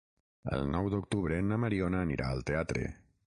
El nou d'octubre na Mariona anirà al teatre.